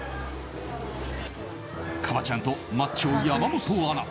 ＫＡＢＡ．ちゃんとマッチョ山本アナ